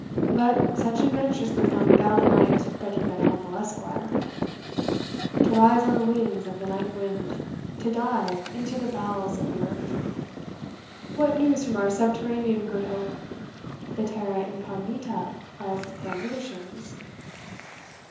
But such adventures become a gallant knight better than a humble esquire, to rise on the wings of the night wind to dive into the bowels of the earth. What news from our subterranean Good Hope! the terra incognita of Glen Withershins?"